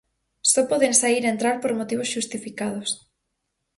Só poden saír e entrar por motivos xustificados.